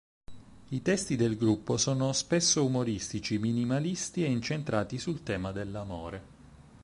I testi del gruppo sono spesso umoristici, minimalisti e incentrati sul tema dell'amore.